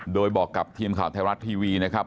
โดยบอกกับทีมข่าวไทยรัฐทีวีนะครับ